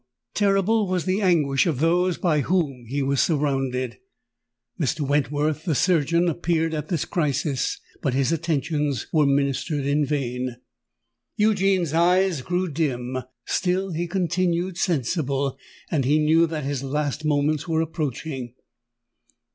Terrible was the anguish of those by whom he was surrounded. Mr. Wentworth, the surgeon, appeared at this crisis; but his attentions were ministered in vain. Eugene's eyes grew dim—still he continued sensible; and he knew that his last moments were approaching.